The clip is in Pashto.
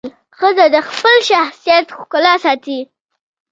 ښځه د خپل شخصیت ښکلا ساتي.